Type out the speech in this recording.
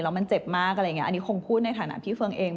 แล้วมันเจ็บมากอะไรอย่างนี้อันนี้คงพูดในฐานะพี่เฟิร์งเอง